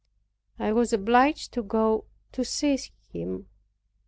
I was obliged to go to see him.